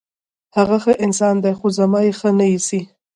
هغه ښه انسان دی، خو زما یې ښه نه ایسي.